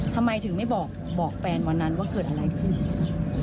ทำไมถึงไม่บอกแฟนวันนั้นว่าเกิดอะไรขึ้น